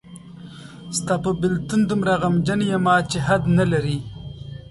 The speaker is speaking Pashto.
ستا په بېلتون دومره غمجن یمه چې حد نلري